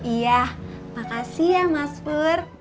iya makasih ya mas pur